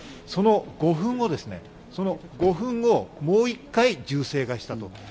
その５分後、その５分後、もう一回銃声がしたと。